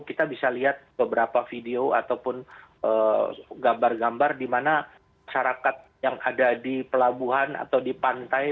kita bisa lihat beberapa video ataupun gambar gambar di mana masyarakat yang ada di pelabuhan atau di pantai